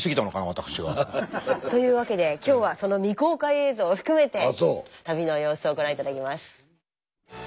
私が。というわけで今日はその未公開映像を含めて旅の様子をご覧頂きます。